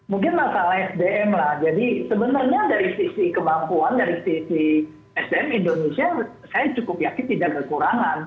mungkin masalah sdm lah jadi sebenarnya dari sisi kemampuan dari sisi sdm indonesia saya cukup yakin tidak kekurangan